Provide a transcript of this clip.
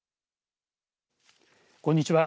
こんにちは。